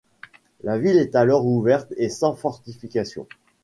La ville est alors ouverte et sans fortifications.